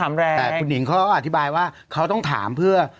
แต่คุณหิงเขาก็อธิบายว่าเขาต้องถามเพื่อ